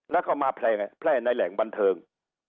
แล้วก็มาแพร่ในแหล่งบันเทิง